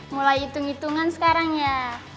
mulai hitung hitungan sekarang ya